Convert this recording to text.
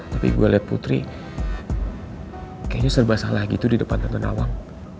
tapi gue liat putri kayaknya serba salah gitu di depan tante nawang